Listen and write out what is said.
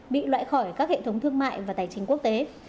bị loại khỏi các hệ thống thương mại và tài chính quốc tế